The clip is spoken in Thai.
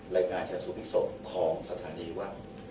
รายการชัดสูบพลิกศพของสถานีว่า